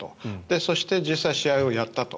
そして実際、試合をやったと。